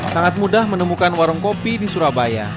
sangat mudah menemukan warung kopi di surabaya